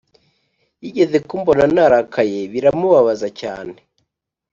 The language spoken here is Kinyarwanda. Yigeze kumbona narakaye biramubabaza cyane